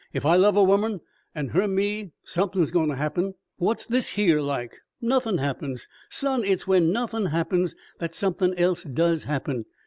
Ef I love a womern, an' her me, somethin's goin' to happen. What's this here like? Nothin' happens. Son, it's when nothin' happens that somethin' else does happen.